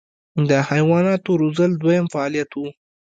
د حیواناتو روزل دویم فعالیت و.